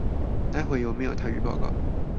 待會有沒有台語報告